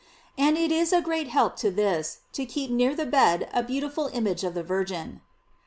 And it is a great help to this, to keep near the bed a beautiful image of the Virgin.